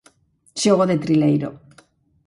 Xogo de trileiro.